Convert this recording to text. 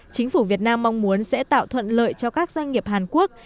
chính phủ việt nam mong muốn sẽ tạo thuận lợi cho các doanh nghiệp hàn quốc